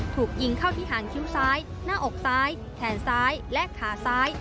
ถูกยิงเข้าที่หางคิ้วซ้ายหน้าอกซ้ายแขนซ้ายและขาซ้าย